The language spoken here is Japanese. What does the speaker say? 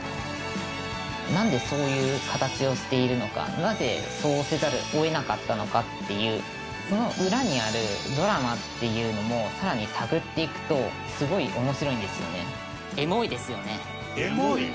なんでそういう形をしているのかなぜそうせざるを得なかったのかっていうその裏にあるドラマっていうのも更に探っていくとすごい面白いんですよね。